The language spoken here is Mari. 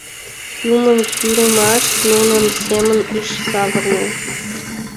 Юмын пӱрымаш нунын семын ыш савырне.